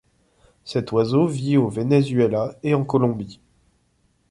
Cet oiseau vit au Vénézuela et en Colombie.